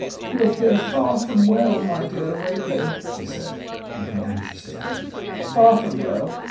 "You appear far from well, my dear Whately," he said, looking anxiously at him, "far from well.